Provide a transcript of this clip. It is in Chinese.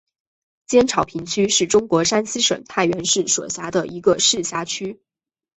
尖草坪区是中国山西省太原市所辖的一个市辖区。